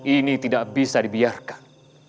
ini tidak bisa dibiarkan